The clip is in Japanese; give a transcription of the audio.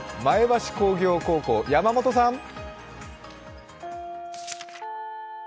前橋工業高校、山本さん。